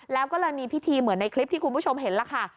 แล้วก็เลยมีพิธีเหมือนในคลิปที่คุณผู้ชมเห็นล่ะค่ะ